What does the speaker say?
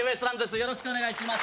よろしくお願いします。